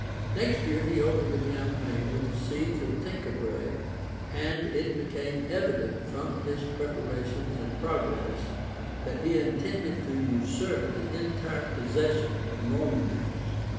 {1106.} Next year he opened the campaign with the siege of Tenchebray; and it became evident, from his preparations and progress, that he intended to usurp the entire possession of Normandy.